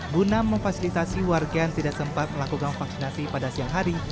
guna memfasilitasi warga yang tidak sempat melakukan vaksinasi pada siang hari